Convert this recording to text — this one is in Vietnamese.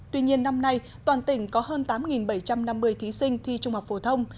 tuy nhiên năm nay toàn tỉnh có hơn tám bảy trăm năm mươi thí sinh thi trung học phổ thông